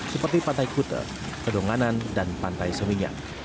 seperti pantai kute pedonganan dan pantai seminyak